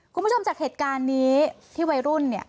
คุณผู้ชมจากเหตุการณ์นี้ที่วัยรุ่นเนี่ย